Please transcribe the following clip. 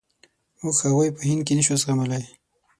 موږ هغوی په هند کې نشو زغملای.